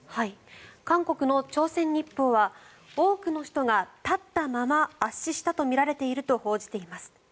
韓国の朝鮮日報は多くの人が立ったまま圧死したとみられると報じています。